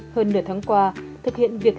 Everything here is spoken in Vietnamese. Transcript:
hơn nửa tháng qua thực hiện việc